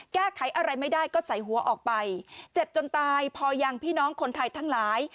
แก้ไขอะไรไม่ได้ก็ใส่หัวออกไปเจ็บจนตายพอยังพี่น้องคนไทยทั้งหลาย